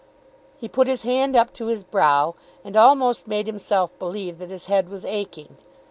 He put his hand up to his brow, and almost made himself believe that his head was aching.